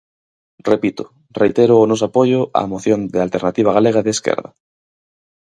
Repito: reitero o noso apoio á moción de Alternativa Galega de Esquerda.